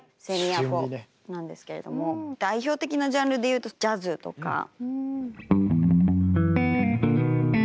セミアコなんですけれども代表的なジャンルでいうとジャズとか。